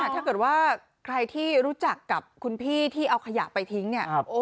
ถ้าเกิดว่าใครที่รู้จักกับคุณพี่ที่เอาขยะไปทิ้งเนี่ย